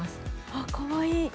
あかわいい。